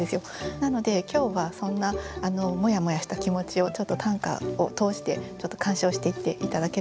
なので今日はそんなモヤモヤした気持ちを短歌を通して鑑賞していって頂ければなと思います。